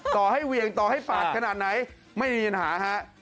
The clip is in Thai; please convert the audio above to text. ต่อให้เวียงต่อให้ปาดขนาดไหนไม่มีปัญหาฮะ